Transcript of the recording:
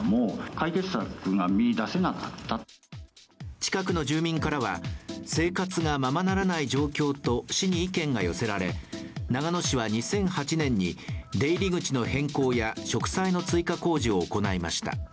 近くの住民からは、生活がままならない状況と市に意見が寄せられ、長野市は２００８年に出入り口の変更や植栽の追加工事を行いました。